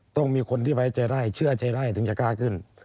ต้องมีคนที่ไว้ใจได้เชื่อใจไล่ถึงจะกล้าขึ้น